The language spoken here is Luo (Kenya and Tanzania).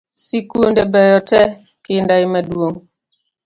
Sikunde beyo te, kinda emaduong’